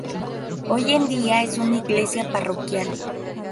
Hoy en día es una iglesia parroquial.